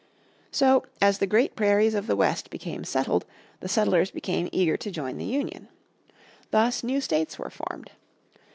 So, as the great prairies of the West became settled, the settlers became eager to join the Union. Thus new states were formed.